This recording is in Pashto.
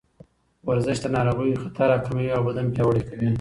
ورزش د ناروغیو خطر راکموي او بدن پیاوړی کوي.